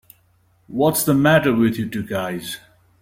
What's the matter with you two guys?